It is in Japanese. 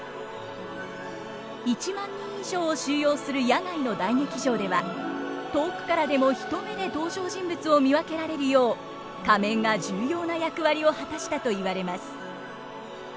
１万人以上を収容する野外の大劇場では遠くからでも一目で登場人物を見分けられるよう仮面が重要な役割を果たしたと言われます。